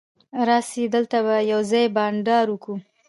راسئ! دلته به یوځای بانډار وکو.